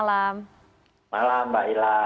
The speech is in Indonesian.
selamat malam mbak ila